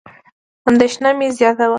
اندېښنه مې زیاته وه.